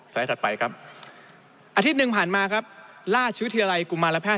ถัดไปครับอาทิตย์หนึ่งผ่านมาครับราชวิทยาลัยกุมารแพทย